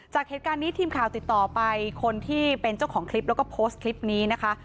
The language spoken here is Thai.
จากเหตุการณ์นี้ทีมข่าวติดต่อไปคนที่เป็นเจ้าของคลิปแล้วก็โพสต์คลิปนี้นะคะ